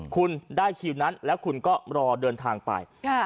คุณได้คิวนั้นแล้วคุณก็รอเดินทางไป